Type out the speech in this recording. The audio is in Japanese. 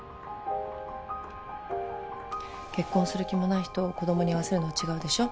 結婚する気もない人を子供に会わせるのは違うでしょ？